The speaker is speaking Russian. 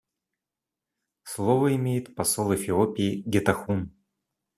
Слово имеет посол Эфиопии Гетахун.